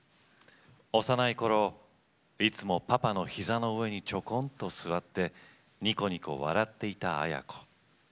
幼いころ、いつもパパの膝の上にちょこんと座ってにこにこ笑っていた亜矢子。